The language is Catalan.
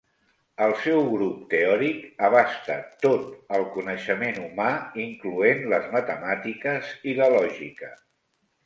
El seu grup teòric abasta "tot" el coneixement humà, incloent les matemàtiques i la lògica.